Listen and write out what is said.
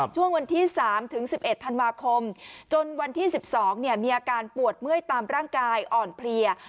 ช่วงวันที่๓ถึง๑๑ธันวาคมจนวันที่๑๒มีอาการปวดเมื่อยตามร่างกายอ่อนเพลีย